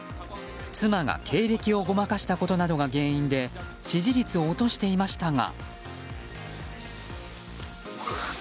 妻が経歴をごまかしたことなどが原因で支持率を落としていましたが。